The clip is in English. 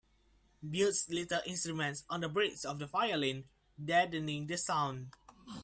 Mutes little instruments on the bridge of the violin, deadening the sound